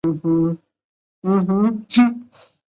黑老虎为五味子科南五味子属下的一个种。